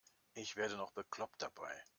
Ich werde noch bekloppt dabei.